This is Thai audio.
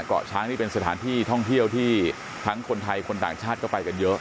เกาะช้างนี่เป็นสถานที่ท่องเที่ยวที่ทั้งคนไทยคนต่างชาติก็ไปกันเยอะ